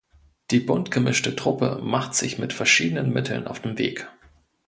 Die bunt gemischte Truppe macht sich mit verschiedenen Mitteln auf den Weg.